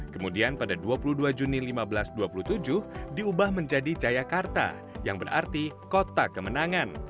kemudian pada dua puluh dua juni seribu lima ratus dua puluh tujuh diubah menjadi jayakarta yang berarti kota kemenangan